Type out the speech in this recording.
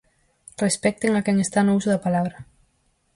Respecten a quen está no uso da palabra.